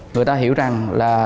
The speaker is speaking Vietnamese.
người ta hiểu rằng là